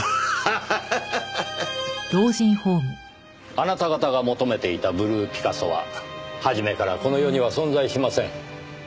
あなた方が求めていたブルーピカソは初めからこの世には存在しません。